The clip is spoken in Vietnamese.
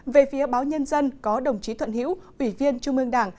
về phía báo nhân dân có đồng chí thuận hiễu ủy viên trung ương đảng